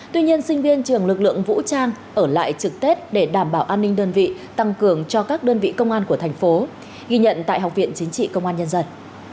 tuy nhiên sinh viên trường lực lượng vũ trang ở lại trực tết để đảm bảo an ninh đơn vị tăng cường cho các đơn vị công an của thành phố ghi nhận tại học viện chính trị công an nhân dân